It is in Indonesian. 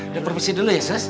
udah perpesi dulu ya sus